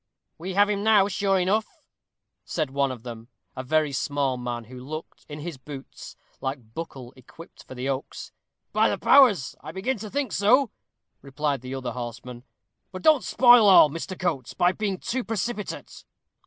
"We have him now, sure enough," said one of them, a very small man, who looked, in his boots, like Buckle equipped for the Oaks. "By the powers! I begin to think so," replied the other horseman. "But don't spoil all, Mr. Coates, by being too precipitate."